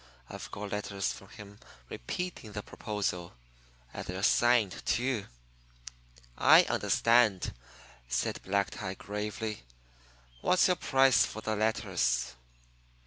I've got letters from him repeating the proposal. And they're signed, too." "I understand," said Black Tie gravely. "What's your price for the letters?"